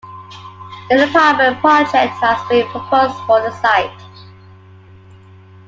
An apartment project has been proposed for the site.